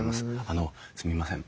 あのすみません。